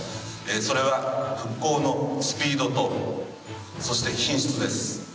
それは復興のスピードとそして、品質です。